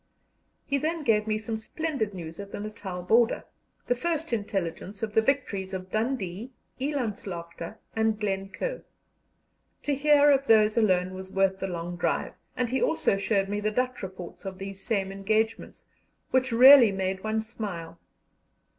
He then gave me some splendid news of the Natal border, the first intelligence of the victories of Dundee, Elandslaagte, and Glencoe. To hear of those alone was worth the long drive, and he also showed me the Dutch reports of these same engagements, which really made one smile.